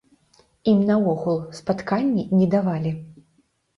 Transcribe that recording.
Ім наогул спатканні не давалі.